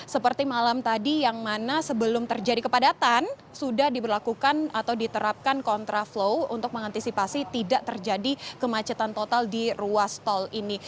seperti malam tadi yang mana sebelum terjadi kepadatan sudah diberlakukan atau diterapkan kontraflow untuk mengantisipasi tidak terjadi kemacetan total di ruas tol ini